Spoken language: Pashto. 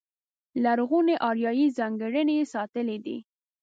لرغونې اریایي ځانګړنې یې ساتلې دي.